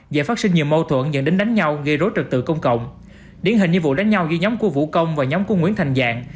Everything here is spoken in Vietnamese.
dễ phát sinh nhiều mâu thuẫn dẫn đến đánh nhau gây rối trật tự công cộng điển hình như vụ đánh nhau ghi nhóm của vũ công và nhóm của nguyễn thành dạng